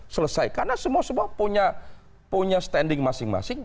selesai karena semua semua punya standing masing masing